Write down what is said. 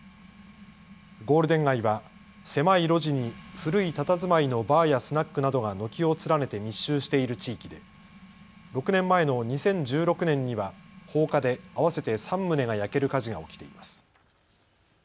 ゴールデン街は狭い路地に古いたたずまいのバーやスナックなどが軒を連ねて密集している地域で６年前の２０１６年には放火で合わせて３棟が焼ける火事が起きています。